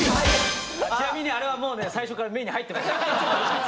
ちなみにあれはもうね最初から目に入ってました。